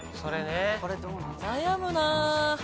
悩むなぁ。